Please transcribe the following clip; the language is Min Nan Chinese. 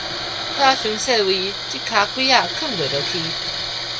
遐傷細位，這跤櫃仔囥袂落去